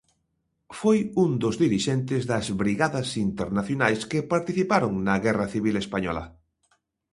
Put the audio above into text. Foi un dos dirixentes das Brigadas Internacionais que participaron na Guerra Civil española.